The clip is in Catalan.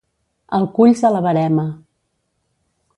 El culls a la verema.